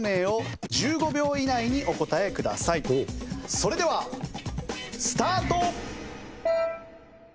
それではスタート！